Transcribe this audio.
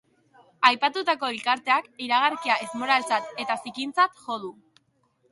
Aipatutako elkarteak iragarkia ezmoraltzat eta zikintzat jo du.